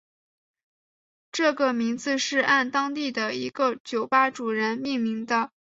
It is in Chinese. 这个名字是按当地的一个酒吧主人命名的。